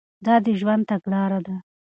دا د ژوند تګلاره ده.